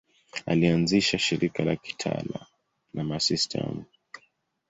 Alianzisha shirika la kitawa la Masista wa Mt.